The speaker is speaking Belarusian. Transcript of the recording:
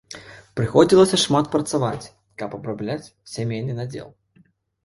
Прыходзілася шмат працаваць, каб абрабляць сямейны надзел.